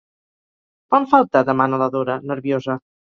Quan falta? —demana la Dora, nerviosa.